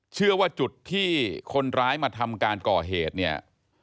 เชื่อว่าจุดที่คนร้ายมาทำการก่อเหตุเนี่ย